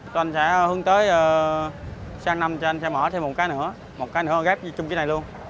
tôi sẽ hướng tới sáng năm cho anh sẽ mở thêm một cái nữa một cái nữa gác với chung cái này luôn